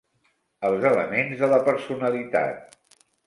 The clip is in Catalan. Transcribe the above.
Els elements de la personalitat.